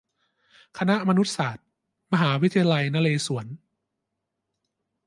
คณะมนุษยศาสตร์ มหาวิทยาลัยนเรศวร